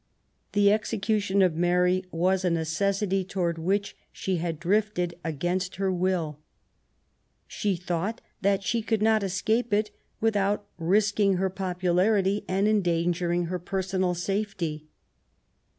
The execution of Mary was a necessity towards which she had drifted against her will. She thought that she could not escape it without risking her popularity and endangering her personal safety.